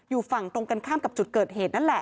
อยู่ฝั่งตรงกันข้ามกับจุดเกิดเหตุนั่นแหละ